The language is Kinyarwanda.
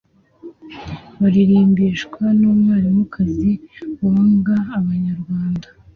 baririmbishwa n’umwarimukazi wangaga Abanyarwanda